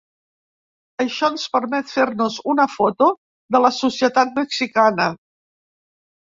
Això ens permet fer-nos una foto de la societat mexicana.